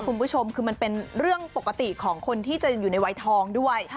คุณผู้ชมคือมันเป็นเรื่องปกติของคนที่จะอยู่ในวัยทองด้วย